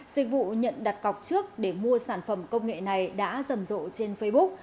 dịch vụ nhận đặt cọc trước để mua sản phẩm công nghệ này đã rầm rộ trên facebook